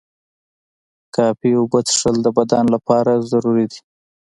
کافی اوبه څښل د بدن لپاره ضروري دي.